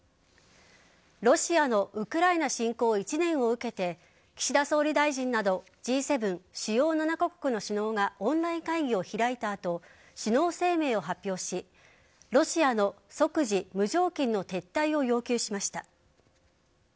ロシアのウクライナ侵攻１年を受けて岸田総理大臣などＧ７＝主要７カ国の首脳がオンライン会議を開いた後首脳声明を発表しロシアの即時無条件の撤退を要求しました。